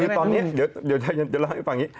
คือตอนนี้เดี๋ยวลองให้ฟังนี้